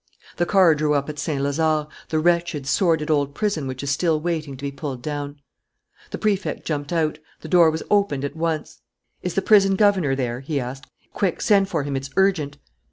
The car drew up at Saint Lazare, the wretched, sordid old prison which is still waiting to be pulled down. The Prefect jumped out. The door was opened at once. "Is the prison governor there?" he asked. "Quick! send for him, it's urgent."